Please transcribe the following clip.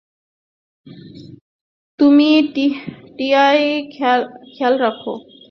তুমি টিয়ার খেয়াল রাখ, সে ভয় পেয়ে আছে।